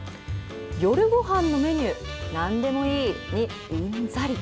夜ごはんのメニュー、なんでもいいにうんざり。